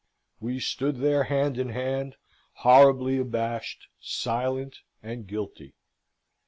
We stood there hand in hand, horribly abashed, silent, and guilty.